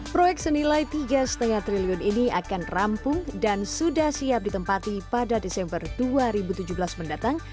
proyek senilai tiga lima triliun ini akan rampung dan sudah siap ditempati pada desember dua ribu tujuh belas mendatang